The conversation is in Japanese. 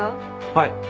はい。